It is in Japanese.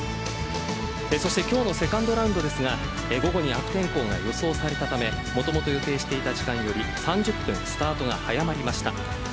そして今日のセカンドラウンドですが午後に悪天候が予想されたためもともと予定していた時間より３０分スタートが早まりました。